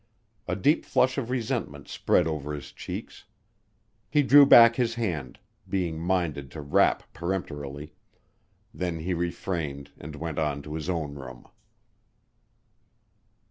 A deep flush of resentment spread over his cheeks. He drew back his hand, being minded to rap peremptorily then he refrained and went on to his own room.